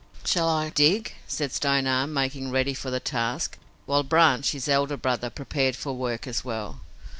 "Shall I dig?" said Stone Arm, making ready for the task, while Branch, his elder brother, prepared for work as well.